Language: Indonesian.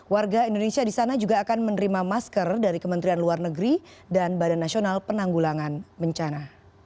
warga indonesia di sana juga akan menerima masker dari kementerian luar negeri dan badan nasional penanggulangan bencana